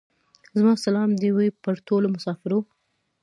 زما سلام دي وې پر ټولو مسافرو.